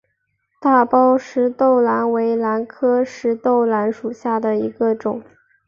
大苞石豆兰为兰科石豆兰属下的一个种。